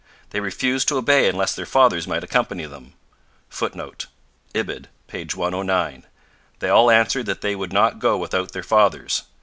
They refused to obey unless their fathers might accompany them. [Footnote: Ibid., p. 109. 'They all answered they would not go without their fathers.